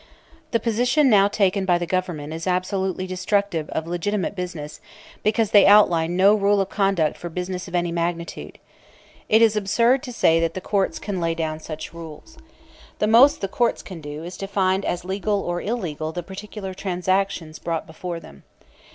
"The position now taken by the Government is absolutely destructive of legitimate business, because they outline no rule of conduct for business of any magnitude. It is absurd to say that the courts can lay down such rules. The most the courts can do is to find as legal or illegal the particular transactions brought before them.